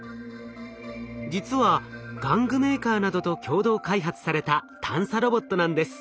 実は玩具メーカーなどと共同開発された探査ロボットなんです。